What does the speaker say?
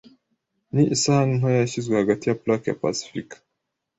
ni isahani ntoya yashyizwe hagati ya plaque ya pasifika